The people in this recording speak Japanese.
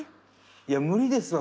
いや無理ですわ